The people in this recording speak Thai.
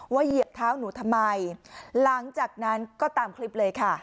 เหยียบเท้าหนูทำไมหลังจากนั้นก็ตามคลิปเลยค่ะ